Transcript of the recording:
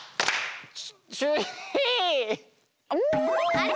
あれ？